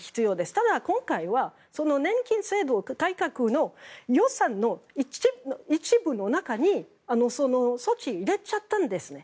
ただ、今回は年金改革の予算の一部の中にその措置を入れちゃったんですね。